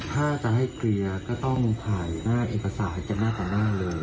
ถ้าจะให้เคลียร์ก็ต้องบริษัทอยู่ในหน้าอิปศาจำนาคตะนางเลย